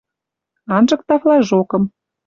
анжыкта флажокым